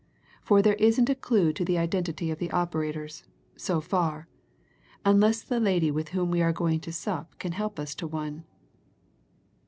For there isn't a clue to the identity of the operators, so far, unless the lady with whom we are going to sup can help us to one."